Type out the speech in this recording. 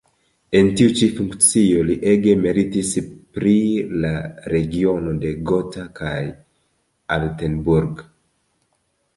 En tiu ĉi funkcio li ege meritis pri la regiono de Gotha kaj Altenburg.